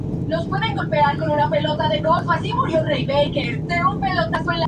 Paulatinamente se convirtió en uno de los poetas catalanes más leídos.